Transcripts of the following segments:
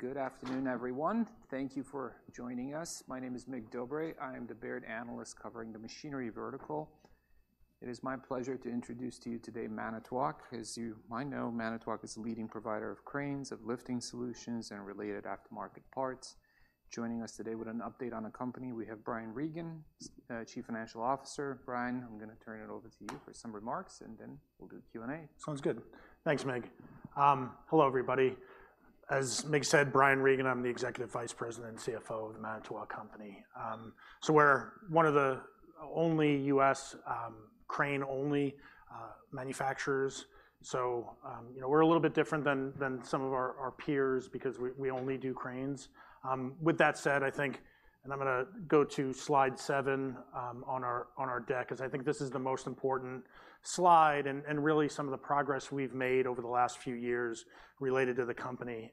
Good afternoon, everyone. Thank you for joining us. My name is Mig Dobre. I am the Baird analyst covering the machinery vertical. It is my pleasure to introduce to you today, Manitowoc. As you might know, Manitowoc is a leading provider of cranes, of lifting solutions, and related aftermarket parts. Joining us today with an update on the company, we have Brian Regan, Chief Financial Officer. Brian, I'm gonna turn it over to you for some remarks, and then we'll do the Q&A. Sounds good. Thanks, Mig. Hello, everybody. As Mig said, Brian Regan, I'm the Executive Vice President and CFO of the Manitowoc Company. So we're one of the only U.S., crane-only, manufacturers. So, you know, we're a little bit different than, than some of our, our peers because we, we only do cranes. With that said, I think... I'm gonna go to slide seven, on our, on our deck, 'cause I think this is the most important slide and, and really some of the progress we've made over the last few years related to the company.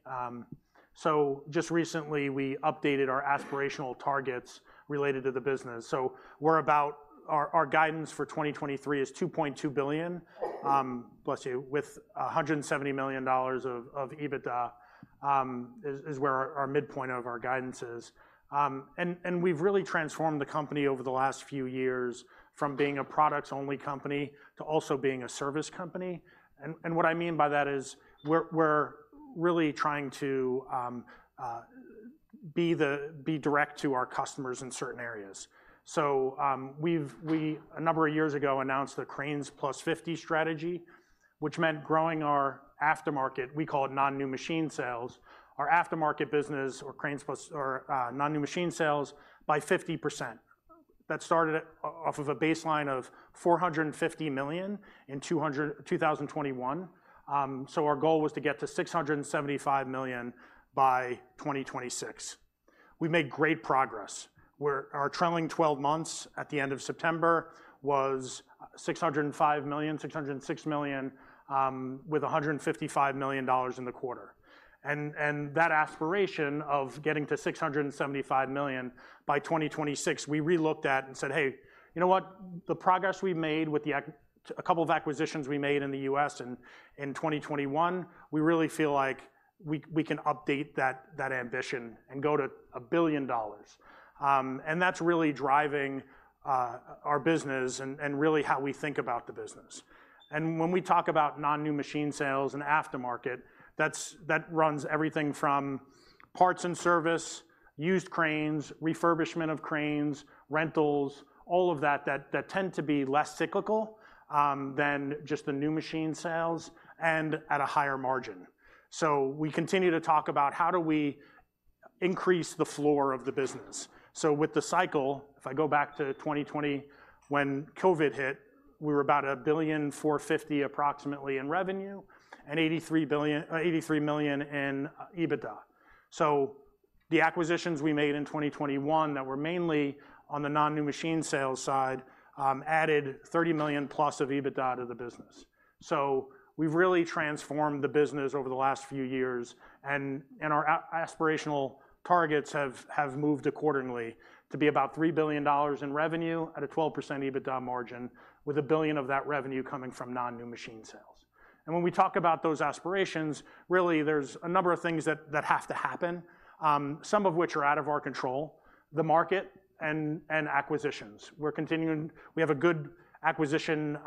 So just recently, we updated our aspirational targets related to the business. So we're about—our, our guidance for 2023 is $2.2 billion. Bless you. With $170 million of EBITDA is where our midpoint of our guidance is. We've really transformed the company over the last few years from being a products-only company to also being a service company. What I mean by that is we're really trying to be direct to our customers in certain areas. We've, a number of years ago, announced the CRANES+50 strategy, which meant growing our aftermarket, we call it non-new machine sales, our aftermarket business or CRANES+ or non-new machine sales by 50%. That started off of a baseline of $450 million in 2021. So our goal was to get to $675 million by 2026. We made great progress, where our trailing twelve months at the end of September was $605 million, $606 million, with $155 million in the quarter. And that aspiration of getting to $675 million by 2026, we relooked at and said, "Hey, you know what? The progress we've made with a couple of acquisitions we made in the U.S. in 2021, we really feel like we can update that ambition and go to $1 billion." And that's really driving our business and really how we think about the business. When we talk about non-new machine sales and aftermarket, that's that runs everything from parts and service, used cranes, refurbishment of cranes, rentals, all of that tend to be less cyclical than just the new machine sales, and at a higher margin. We continue to talk about how do we increase the floor of the business. With the cycle, if I go back to 2020, when COVID hit, we were about $1.45 billion approximately in revenue, and $83 million in EBITDA. The acquisitions we made in 2021, that were mainly on the non-new machine sales side, added $30 million+ of EBITDA to the business. So we've really transformed the business over the last few years, and our aspirational targets have moved accordingly to be about $3 billion in revenue at a 12% EBITDA margin, with $1 billion of that revenue coming from non-new machine sales. When we talk about those aspirations, really, there's a number of things that have to happen, some of which are out of our control: the market and acquisitions. We have a good acquisition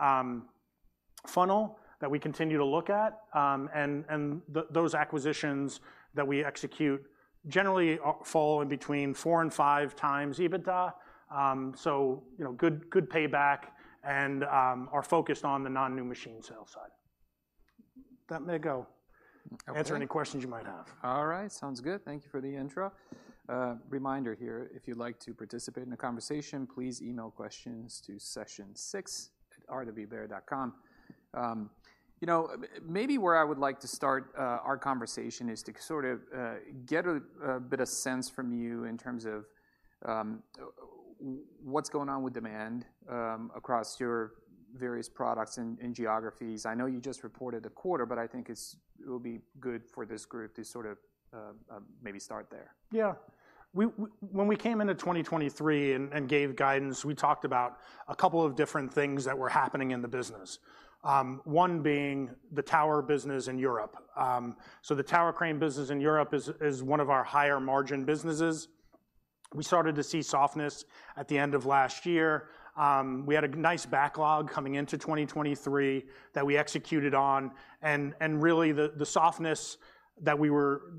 funnel that we continue to look at. And those acquisitions that we execute generally fall in between 4-5x EBITDA. So, you know, good payback and are focused on the non-new machine sales side. With that, Mig, I'll- Okay... answer any questions you might have. All right, sounds good. Thank you for the intro. Reminder here, if you'd like to participate in the conversation, please email questions to sessionsix@rwbaird.com. You know, maybe where I would like to start our conversation is to sort of get a bit of sense from you in terms of what's going on with demand across your various products and geographies. I know you just reported a quarter, but I think it will be good for this group to sort of maybe start there. Yeah. We, when we came into 2023 and gave guidance, we talked about a couple of different things that were happening in the business. One being the tower business in Europe. So the tower crane business in Europe is one of our higher margin businesses. We started to see softness at the end of last year. We had a nice backlog coming into 2023, that we executed on, and really, the softness that we were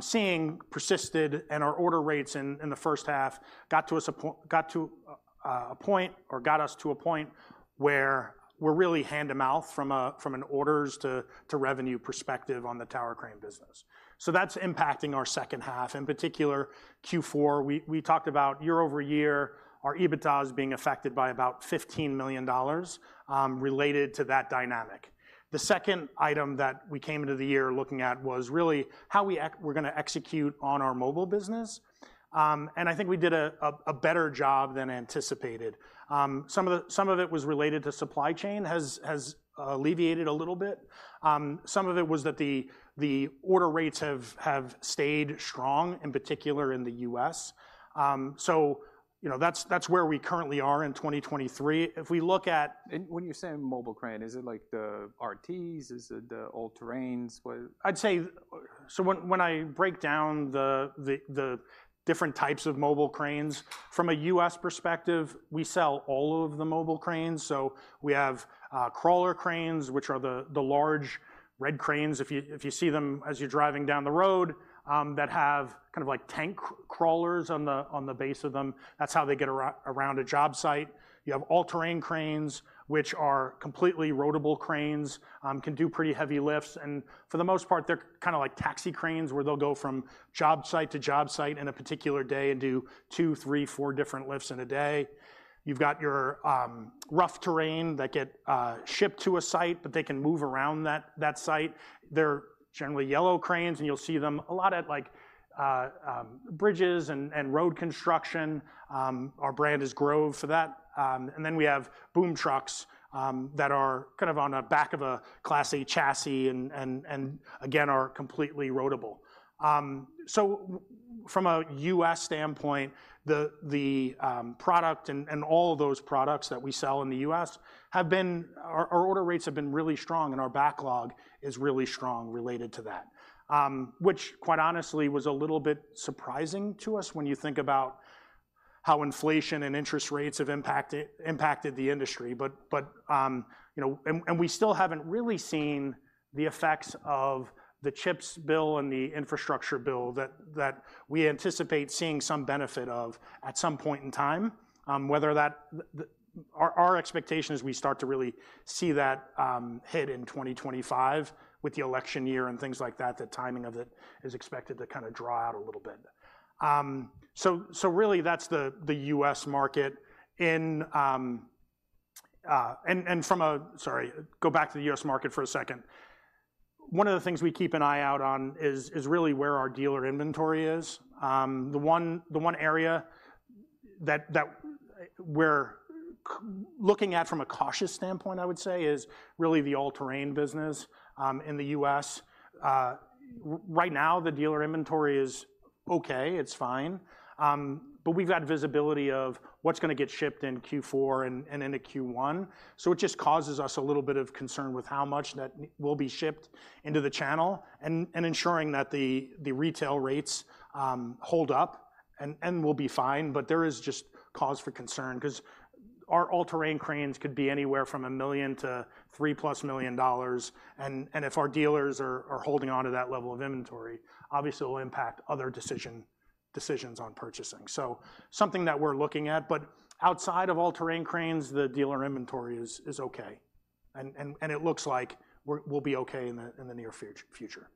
seeing persisted, and our order rates in the first half got to a point or got us to a point where we're really hand-to-mouth from an orders to revenue perspective on the tower crane business. So that's impacting our second half, in particular, Q4. We talked about year-over-year, our EBITDA is being affected by about $15 million, related to that dynamic. The second item that we came into the year looking at was really how we're gonna execute on our mobile business. I think we did a better job than anticipated. Some of it was related to supply chain has alleviated a little bit. Some of it was that the order rates have stayed strong, in particular in the U.S. So, you know, that's where we currently are in 2023. If we look at- When you say mobile crane, is it like the RTs? Is it the all-terrains? What- I'd say. So when I break down the different types of mobile cranes, from a U.S. perspective, we sell all of the mobile cranes. So we have crawler cranes, which are the large red cranes, if you see them as you're driving down the road, that have kind of like tank crawlers on the base of them. That's how they get around a job site. You have all-terrain cranes, which are completely roadable cranes, can do pretty heavy lifts, and for the most part, they're kinda like taxi cranes, where they'll go from job site to job site in a particular day and do 2, 3, 4 different lifts in a day. You've got your rough terrain that get shipped to a site, but they can move around that site. They're generally yellow cranes, and you'll see them a lot at, like, bridges and road construction. Our brand is Grove for that. And then we have boom trucks that are kind of on a back of a Class A chassis and again, are completely roadable. So from a U.S. standpoint, the product and all of those products that we sell in the U.S. have been... our order rates have been really strong, and our backlog is really strong related to that. Which, quite honestly, was a little bit surprising to us when you think about how inflation and interest rates have impacted the industry. You know, we still haven't really seen the effects of the CHIPS Bill and the Infrastructure Bill that we anticipate seeing some benefit of at some point in time. Our expectation is we start to really see that hit in 2025 with the election year and things like that. The timing of it is expected to kinda draw out a little bit. So really, that's the U.S. market. Sorry, go back to the U.S. market for a second. One of the things we keep an eye out on is really where our dealer inventory is. The one area that we're looking at from a cautious standpoint, I would say, is really the all-terrain business in the U.S. Right now, the dealer inventory is okay, it's fine, but we've got visibility of what's gonna get shipped in Q4 and into Q1. So it just causes us a little bit of concern with how much that will be shipped into the channel, and ensuring that the retail rates hold up. And we'll be fine, but there is just cause for concern, 'cause our all-terrain cranes could be anywhere from $1 million-$3+ million, and if our dealers are holding on to that level of inventory, obviously, it will impact other decisions on purchasing. So something that we're looking at, but outside of all-terrain cranes, the dealer inventory is okay, and it looks like we'll be okay in the near future.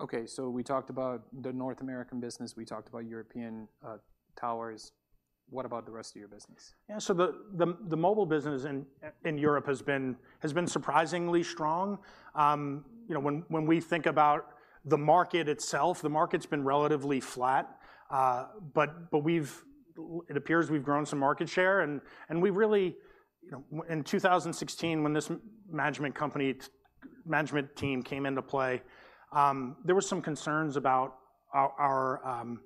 Okay, so we talked about the North American business, we talked about European, towers. What about the rest of your business? Yeah, so the mobile business in Europe has been surprisingly strong. You know, when we think about the market itself, the market's been relatively flat. But it appears we've grown some market share, and we really... You know, in 2016, when this management team came into play, there were some concerns about the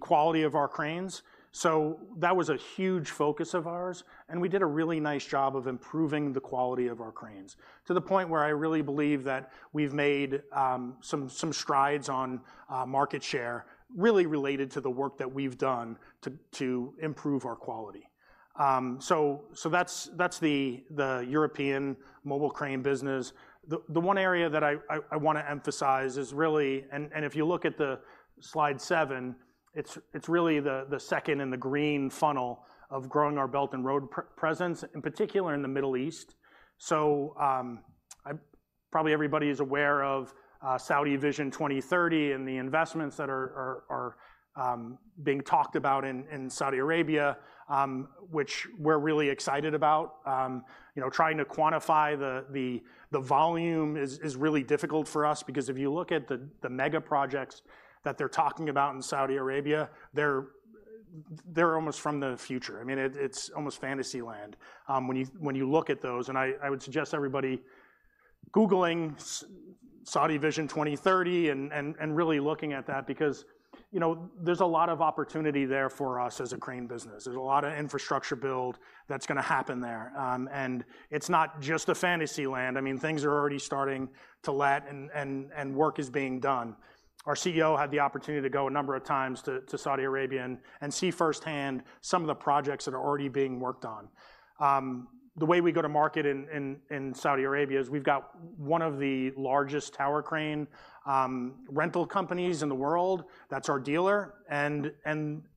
quality of our cranes. So that was a huge focus of ours, and we did a really nice job of improving the quality of our cranes, to the point where I really believe that we've made some strides on market share, really related to the work that we've done to improve our quality. So that's the European mobile crane business. The one area that I want to emphasize is really. If you look at slide seven, it's really the second and the green funnel of growing our Belt and Road presence, in particular in the Middle East. So, probably everybody is aware of Saudi Vision 2030 and the investments that are being talked about in Saudi Arabia, which we're really excited about. You know, trying to quantify the volume is really difficult for us because if you look at the mega projects that they're talking about in Saudi Arabia, they're almost from the future. I mean, it's almost fantasy land when you look at those, and I would suggest everybody... Googling Saudi Vision 2030 and really looking at that, because, you know, there's a lot of opportunity there for us as a crane business. There's a lot of infrastructure build that's gonna happen there. And it's not just a fantasy land. I mean, things are already starting to letting and work is being done. Our CEO had the opportunity to go a number of times to Saudi Arabia and see firsthand some of the projects that are already being worked on. The way we go to market in Saudi Arabia is we've got one of the largest tower crane rental companies in the world. That's our dealer, and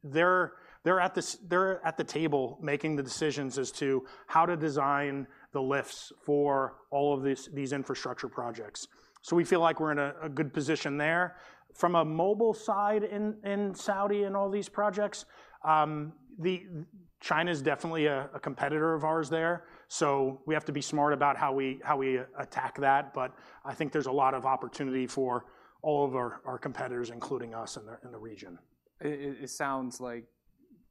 they're at the table, making the decisions as to how to design the lifts for all of these infrastructure projects. So we feel like we're in a good position there. From a mobile side in Saudi and all these projects, China's definitely a competitor of ours there, so we have to be smart about how we attack that. But I think there's a lot of opportunity for all of our competitors, including us, in the region. It sounds like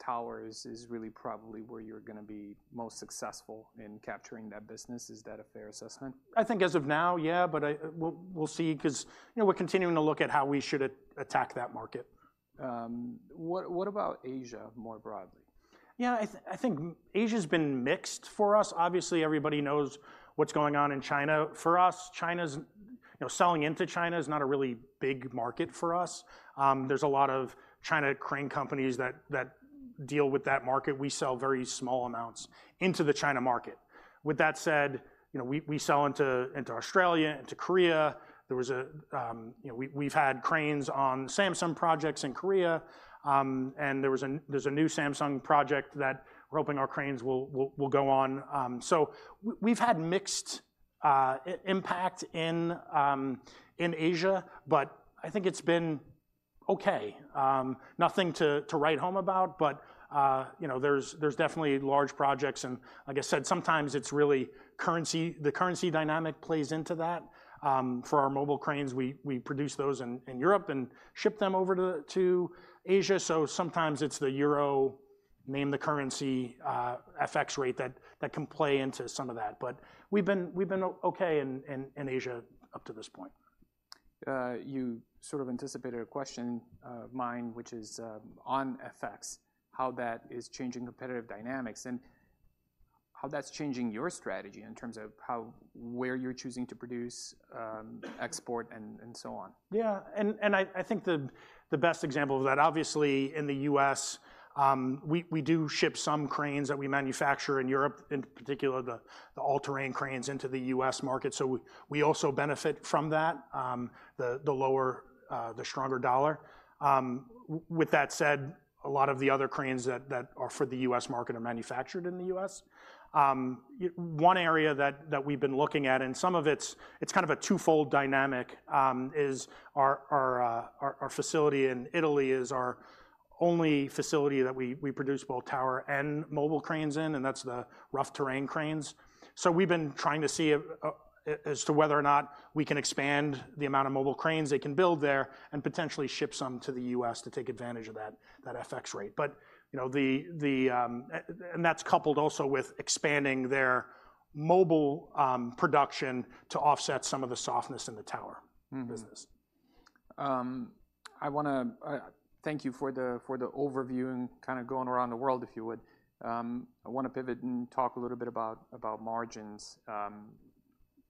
towers is really probably where you're gonna be most successful in capturing that business. Is that a fair assessment? I think as of now, yeah, but we'll see, 'cause, you know, we're continuing to look at how we should attack that market. What about Asia, more broadly? Yeah, I think Asia's been mixed for us. Obviously, everybody knows what's going on in China. For us, China's, you know, selling into China is not a really big market for us. There's a lot of China crane companies that deal with that market. We sell very small amounts into the China market. With that said, you know, we sell into Australia, into Korea. There was a... You know, we've had cranes on Samsung projects in Korea. And there was a, there's a new Samsung project that we're hoping our cranes will go on. So we've had mixed impact in Asia, but I think it's been okay. Nothing to write home about, but, you know, there's definitely large projects and like I said, sometimes it's really currency... The currency dynamic plays into that. For our mobile cranes, we produce those in Europe and ship them over to Asia. So sometimes it's the euro, name the currency, FX rate that can play into some of that. But we've been okay in Asia up to this point. You sort of anticipated a question, mine, which is on FX, how that is changing competitive dynamics, and how that's changing your strategy in terms of how, where you're choosing to produce, export, and so on. Yeah, and I think the best example of that, obviously, in the U.S., we do ship some cranes that we manufacture in Europe, in particular, the all-terrain cranes into the U.S. market, so we also benefit from that, the stronger U.S. dollar. With that said, a lot of the other cranes that are for the U.S. market are manufactured in the U.S. One area that we've been looking at, and some of it's kind of a twofold dynamic, is our facility in Italy, our only facility that we produce both tower and mobile cranes in, and that's the rough terrain cranes. So we've been trying to see if as to whether or not we can expand the amount of mobile cranes they can build there and potentially ship some to the U.S. to take advantage of that FX rate. But, you know, and that's coupled also with expanding their mobile production to offset some of the softness in the tower- Mm-hmm... business. I wanna thank you for the overview and kind of going around the world, if you would. I wanna pivot and talk a little bit about margins.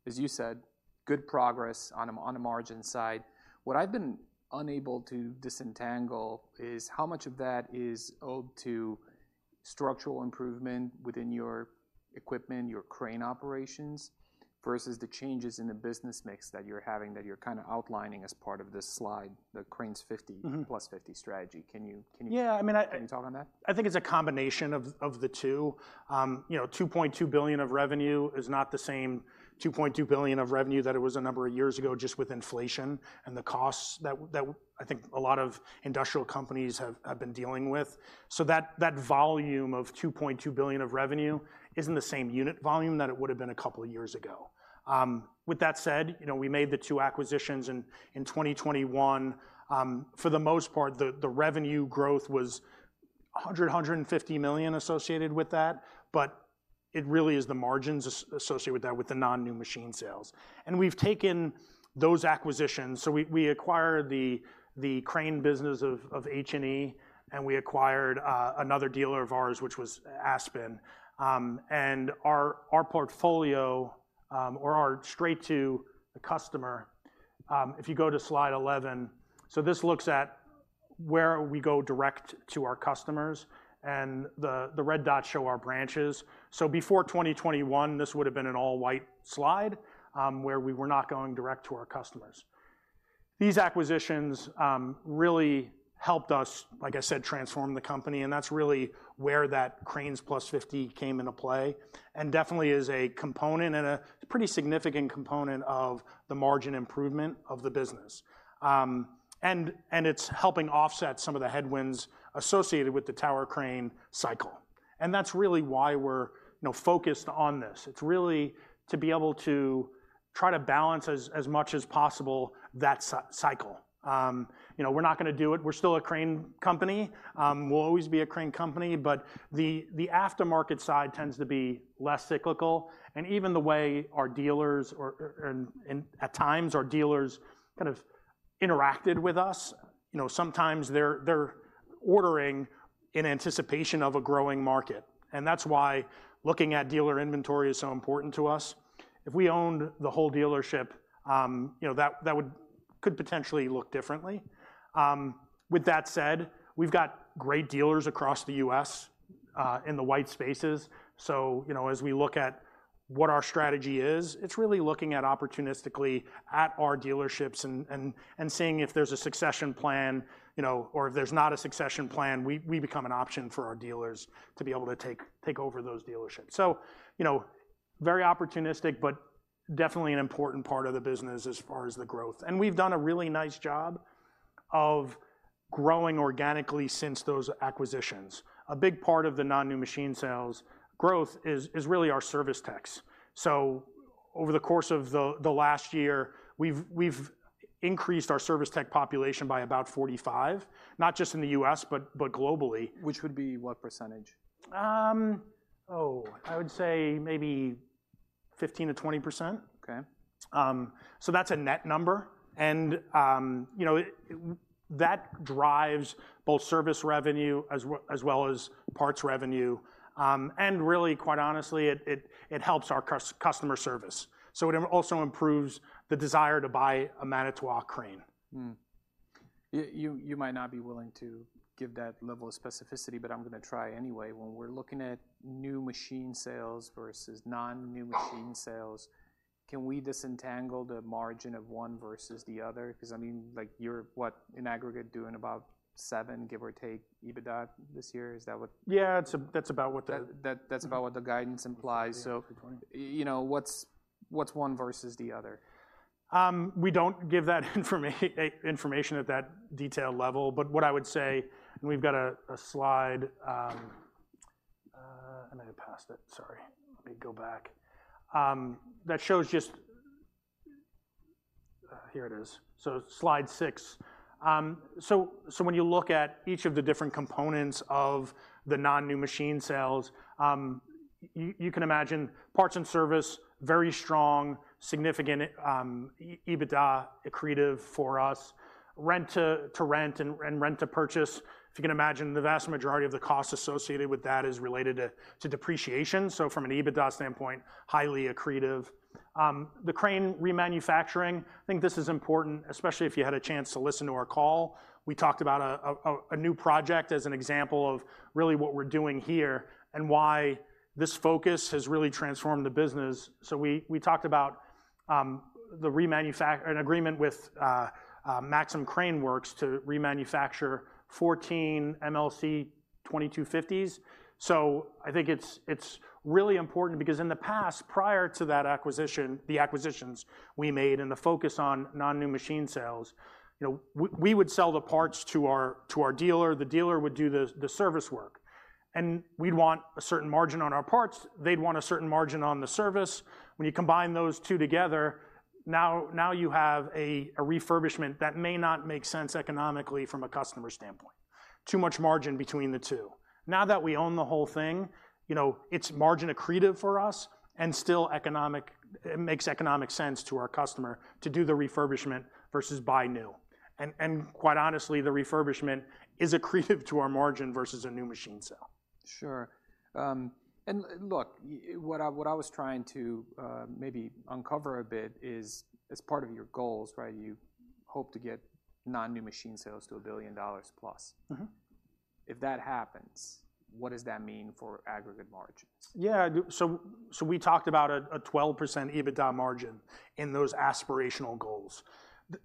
As you said, good progress on the margin side. What I've been unable to disentangle is how much of that is owed to structural improvement within your equipment, your crane operations, versus the changes in the business mix that you're having, that you're kind of outlining as part of this slide, the CRANES+50- Mm-hmm… +50 strategy. Can you- Yeah, I mean, Can you touch on that? I think it's a combination of the two. You know, $2.2 billion of revenue is not the same $2.2 billion of revenue that it was a number of years ago, just with inflation and the costs that I think a lot of industrial companies have been dealing with. So that volume of $2.2 billion of revenue isn't the same unit volume that it would've been a couple of years ago. With that said, you know, we made the two acquisitions in 2021. For the most part, the revenue growth was $150 million associated with that, but it really is the margins associated with that, with the non-new machine sales. And we've taken those acquisitions... So we acquired the crane business of H&E, and we acquired another dealer of ours, which was Aspen. And our portfolio, or our straight to the customer, if you go to slide 11, so this looks at where we go direct to our customers, and the red dots show our branches. So before 2021, this would've been an all-white slide, where we were not going direct to our customers. These acquisitions really helped us, like I said, transform the company, and that's really where that CRANES+50 came into play, and definitely is a component, and a pretty significant component of the margin improvement of the business. And it's helping offset some of the headwinds associated with the tower crane cycle. And that's really why we're, you know, focused on this. It's really to be able to try to balance as much as possible that cycle. You know, we're not gonna do it. We're still a crane company. We'll always be a crane company, but the aftermarket side tends to be less cyclical, and even the way our dealers and at times our dealers kind of interacted with us, you know, sometimes they're ordering in anticipation of a growing market. And that's why looking at dealer inventory is so important to us. If we owned the whole dealership, you know, that could potentially look differently. With that said, we've got great dealers across the U.S. in the white spaces. So, you know, as we look at what our strategy is, it's really looking at opportunistically at our dealerships and seeing if there's a succession plan, you know, or if there's not a succession plan, we become an option for our dealers to be able to take over those dealerships. So, you know, very opportunistic, but definitely an important part of the business as far as the growth. We've done a really nice job of growing organically since those acquisitions. A big part of the non-new machine sales growth is really our service techs. So over the course of the last year, we've increased our service tech population by about 45, not just in the U.S., but globally. Which would be what percentage? I would say maybe 15%-20%. Okay. So that's a net number. And, you know, that drives both service revenue as well, as well as parts revenue. And really, quite honestly, it helps our customer service. So it also improves the desire to buy a Manitowoc crane. You might not be willing to give that level of specificity, but I'm gonna try anyway. When we're looking at new machine sales versus non-new machine sales, can we disentangle the margin of one versus the other? Because, I mean, like, you're what in aggregate doing about 7, give or take, EBITDA this year. Is that what- Yeah, that's about what the- That's about what the guidance implies, so- Yeah... you know, what's one versus the other? We don't give that information at that detailed level, but what I would say, and we've got a slide. I might have passed it, sorry. Let me go back. That shows just... here it is. So slide 6. So when you look at each of the different components of the non-new machine sales, you can imagine parts and service, very strong, significant, EBITDA accretive for us. Rent-to-rent and rent-to-purchase, if you can imagine, the vast majority of the costs associated with that is related to depreciation, so from an EBITDA standpoint, highly accretive. The crane remanufacturing, I think this is important, especially if you had a chance to listen to our call. We talked about a new project as an example of really what we're doing here and why this focus has really transformed the business. So we talked about an agreement with Maxim Crane Works to remanufacture 14 MLC-2250s. So I think it's really important because in the past, prior to that acquisition, the acquisitions we made, and the focus on non-new machine sales, you know, we would sell the parts to our dealer. The dealer would do the service work. And we'd want a certain margin on our parts, they'd want a certain margin on the service. When you combine those two together, now you have a refurbishment that may not make sense economically from a customer standpoint. Too much margin between the two. Now that we own the whole thing, you know, it's margin accretive for us, and still economic, it makes economic sense to our customer to do the refurbishment versus buy new. And quite honestly, the refurbishment is accretive to our margin versus a new machine sale. Sure. And look, what I was trying to maybe uncover a bit is, as part of your goals, right, you hope to get non-new machine sales to $1 billion plus. Mm-hmm. If that happens, what does that mean for aggregate margins? So we talked about a 12% EBITDA margin in those aspirational goals.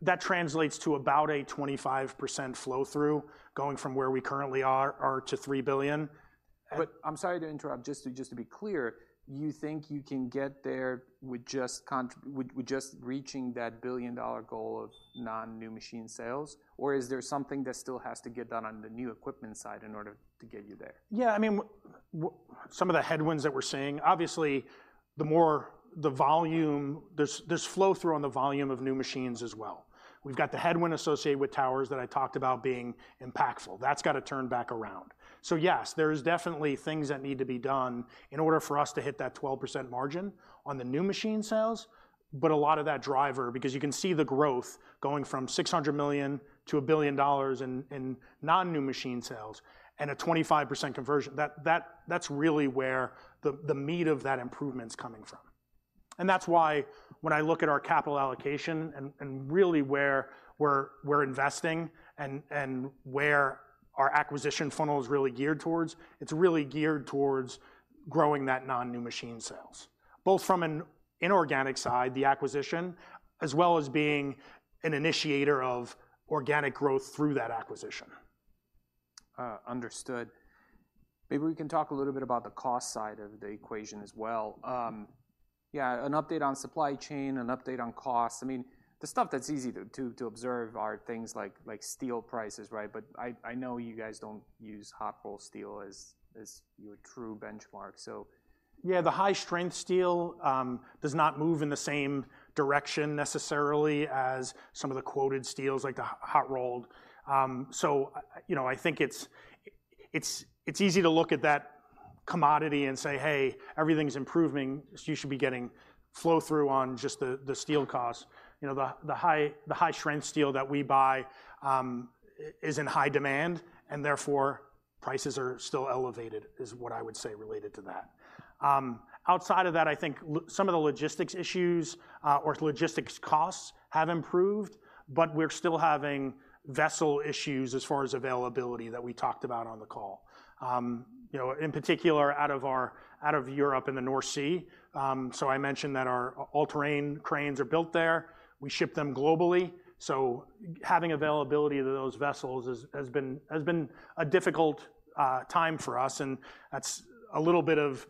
That translates to about a 25% flow-through, going from where we currently are to $3 billion. And- But I'm sorry to interrupt. Just to, just to be clear, you think you can get there with just... With, with just reaching that billion-dollar goal of non-new machine sales? Or is there something that still has to get done on the new equipment side in order to get you there? Yeah, I mean, some of the headwinds that we're seeing, obviously, the more the volume, there's flow-through on the volume of new machines as well. We've got the headwind associated with towers that I talked about being impactful. That's gotta turn back around. So yes, there is definitely things that need to be done in order for us to hit that 12% margin on the new machine sales, but a lot of that driver, because you can see the growth going from $600 million to $1 billion in non-new machine sales and a 25% conversion, that's really where the meat of that improvement's coming from. And that's why when I look at our capital allocation and really where we're investing and where our acquisition funnel is really geared towards, it's really geared towards growing that non-new machine sales. Both from an inorganic side, the acquisition, as well as being an initiator of organic growth through that acquisition. Understood. Maybe we can talk a little bit about the cost side of the equation as well. Yeah, an update on supply chain, an update on costs. I mean, the stuff that's easy to observe are things like steel prices, right? But I know you guys don't use hot-rolled steel as your true benchmark, so... Yeah, the high-strength steel does not move in the same direction necessarily as some of the quoted steels, like the hot-rolled. So, you know, I think it's easy to look at that commodity and say: "Hey, everything's improving, so you should be getting flow-through on just the steel costs." You know, the high-strength steel that we buy is in high demand, and therefore, prices are still elevated, is what I would say related to that. Outside of that, I think some of the logistics issues or logistics costs have improved, but we're still having vessel issues as far as availability that we talked about on the call. You know, in particular, out of Europe in the North Sea. So I mentioned that our all-terrain cranes are built there. We ship them globally, so having availability to those vessels is, has been a difficult time for us, and that's a little bit of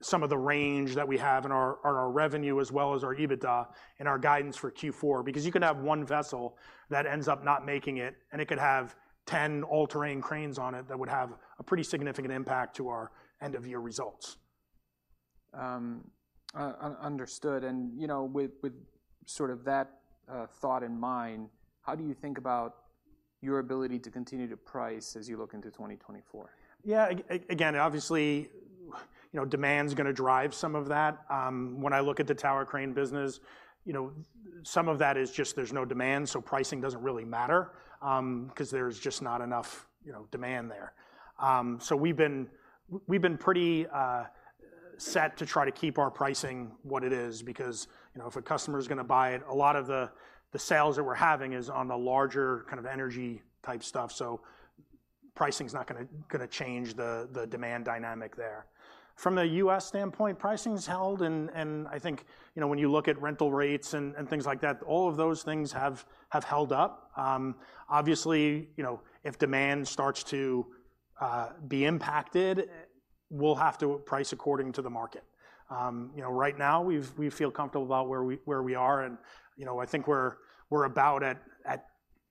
some of the range that we have in our revenue as well as our EBITDA and our guidance for Q4. Because you could have one vessel that ends up not making it, and it could have 10 all-terrain cranes on it that would have a pretty significant impact to our end-of-year results. Understood, and you know, with sort of that thought in mind, how do you think about your ability to continue to price as you look into 2024? Yeah, again, obviously, you know, demand's gonna drive some of that. When I look at the tower crane business, you know, some of that is just there's no demand, so pricing doesn't really matter, 'cause there's just not enough, you know, demand there. So we've been we've been pretty set to try to keep our pricing what it is, because, you know, if a customer's gonna buy it, a lot of the, the sales that we're having is on the larger, kind of, energy-type stuff, so pricing's not gonna change the, the demand dynamic there. From a U.S. standpoint, pricing's held, and I think, you know, when you look at rental rates and things like that, all of those things have held up. Obviously, you know, if demand starts to be impacted, we'll have to price according to the market. You know, right now, we feel comfortable about where we are, and, you know, I think we're about at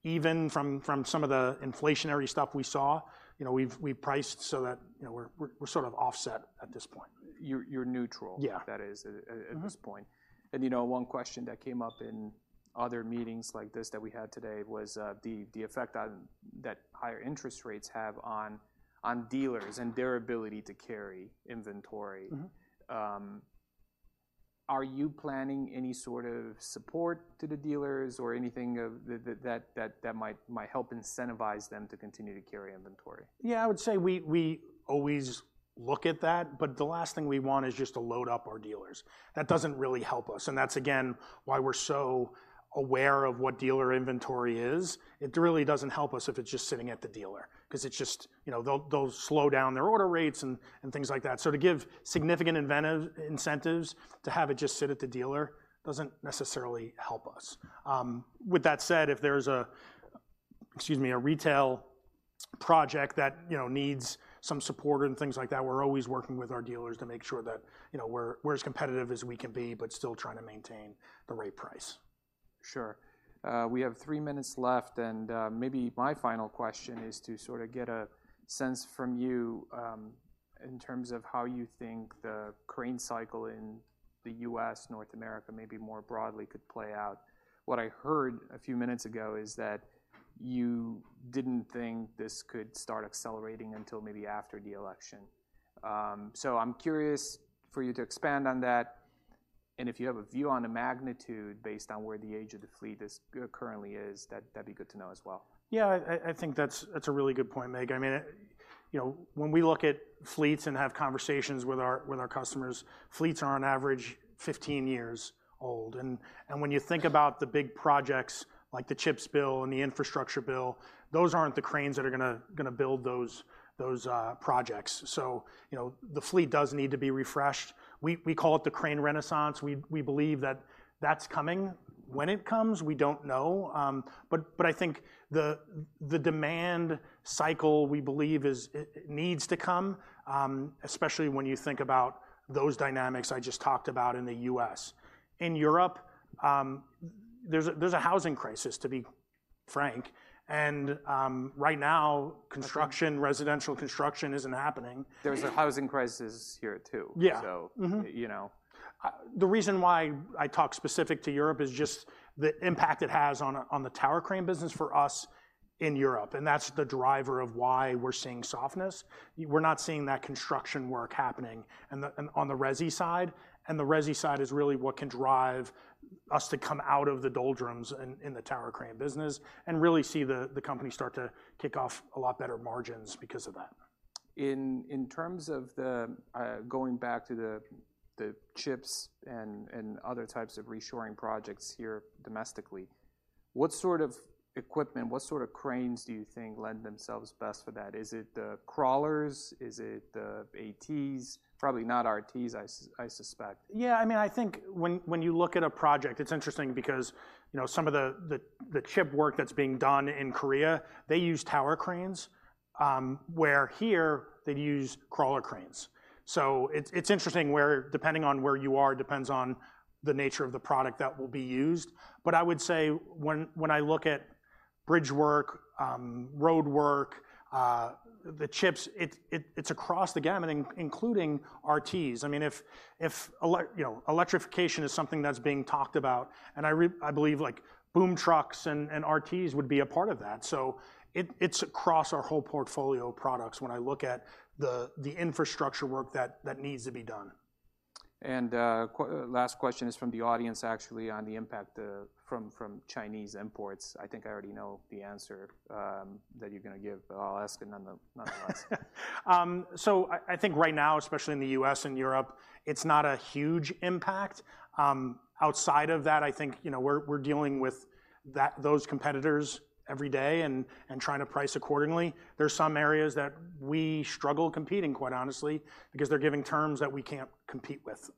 even from some of the inflationary stuff we saw, you know, we've priced so that, you know, we're sort of offset at this point. You're neutral- Yeah that is, at this point. Mm-hmm. You know, one question that came up in other meetings like this that we had today was the effect that higher interest rates have on dealers and their ability to carry inventory. Mm-hmm. Are you planning any sort of support to the dealers or anything of the sort that might help incentivize them to continue to carry inventory? Yeah, I would say we, we always look at that, but the last thing we want is just to load up our dealers. That doesn't really help us, and that's again why we're so aware of what dealer inventory is. It really doesn't help us if it's just sitting at the dealer, 'cause it's just... You know, they'll, they'll slow down their order rates and, and things like that. So to give significant incentives to have it just sit at the dealer doesn't necessarily help us. With that said, if there's a, excuse me, a retail project that, you know, needs some support and things like that, we're always working with our dealers to make sure that, you know, we're, we're as competitive as we can be, but still trying to maintain the right price. Sure. We have three minutes left, and maybe my final question is to sort of get a sense from you, in terms of how you think the crane cycle in the U.S., North America, maybe more broadly, could play out. What I heard a few minutes ago is that you didn't think this could start accelerating until maybe after the election. So I'm curious for you to expand on that, and if you have a view on the magnitude based on where the age of the fleet is currently, that'd be good to know as well. Yeah, I think that's a really good point, Mig. I mean, you know, when we look at fleets and have conversations with our customers, fleets are on average 15 years old. And when you think about the big projects, like the CHIPS Bill and the Infrastructure Bill, those aren't the cranes that are gonna build those projects. So, you know, the fleet does need to be refreshed. We call it the Crane Renaissance. We believe that that's coming. When it comes, we don't know. But I think the demand cycle, we believe, it needs to come, especially when you think about those dynamics I just talked about in the U.S. In Europe, there's a housing crisis, to be frank, and right now, construction- Okay... residential construction isn't happening. There's a housing crisis here, too. Yeah. So- Mm-hmm... you know. The reason why I talk specific to Europe is just the impact it has on the tower crane business for us in Europe, and that's the driver of why we're seeing softness. We're not seeing that construction work happening on the resi side, and the resi side is really what can drive us to come out of the doldrums in the tower crane business and really see the company start to kick off a lot better margins because of that. In terms of going back to the chips and other types of reshoring projects here domestically, what sort of equipment, what sort of cranes do you think lend themselves best for that? Is it the crawlers? Is it the ATs? Probably not RTs, I suspect. Yeah, I mean, I think when you look at a project, it's interesting because, you know, some of the chip work that's being done in Korea, they use tower cranes, where here they'd use crawler cranes. So it's interesting, where depending on where you are, depends on the nature of the product that will be used. But I would say when I look at bridge work, road work, the chips, it's across the gamut, including RTs. I mean, if electrification you know, is something that's being talked about, and I believe, like, boom trucks and RTs would be a part of that. So it's across our whole portfolio of products when I look at the infrastructure work that needs to be done. And, last question is from the audience, actually, on the impact from Chinese imports. I think I already know the answer that you're gonna give, but I'll ask it nonetheless. So I think right now, especially in the U.S. and Europe, it's not a huge impact. Outside of that, I think, you know, we're dealing with those competitors every day and trying to price accordingly. There are some areas that we struggle competing, quite honestly, because they're giving terms that we can't compete with.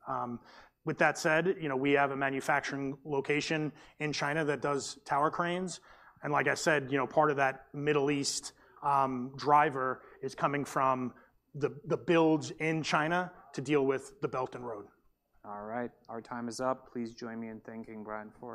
With that said, you know, we have a manufacturing location in China that does tower cranes, and like I said, you know, part of that Middle East driver is coming from the builds in China to deal with the Belt and Road. All right, our time is up. Please join me in thanking Brian for.